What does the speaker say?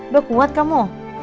do kuat kamu